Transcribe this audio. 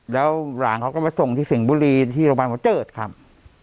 แล้วหลานเขาก็มาส่งที่สิงห์บุรีที่โรงพยาบาลหัวเจิดครับ